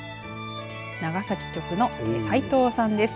長崎局の斎藤さんです。